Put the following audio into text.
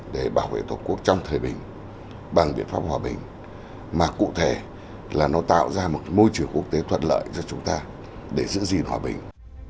để bảo vệ tổ quốc trong thời bình bằng biện pháp hòa bình mà cụ thể là nó tạo ra một môi trường quốc tế thuận lợi cho chúng ta để giữ gìn hòa bình